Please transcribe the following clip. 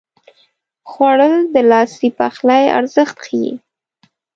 خوړل د لاسي پخلي ارزښت ښيي